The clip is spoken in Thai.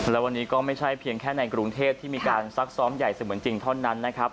และวันนี้ก็ไม่ใช่เพียงแค่ในกรุงเทพที่มีการซักซ้อมใหญ่เสมือนจริงเท่านั้นนะครับ